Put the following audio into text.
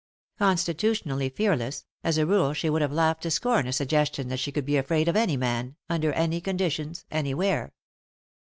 Constitutionally fear less, as a rule she would have laughed to scorn a suggestion that she could be afraid of any man, under any conditions, anywhere.